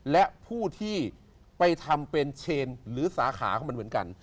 และผู้ที่ไปทำเป็นเชนหรือสาขาของมันเหมือนกัน